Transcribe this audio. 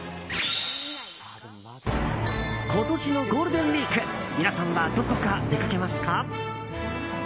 今年のゴールデンウィーク皆さんはどこか出かけますか？